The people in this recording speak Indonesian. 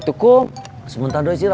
sajulernya semestinya puasa